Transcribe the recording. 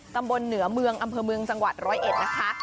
ตำบลเหนือเมืองอำเภอเมืองจังหวัดร้อยเอ็ดนะคะ